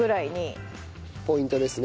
ポイントですね。